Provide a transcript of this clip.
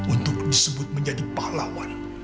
untuk disebut menjadi pahlawan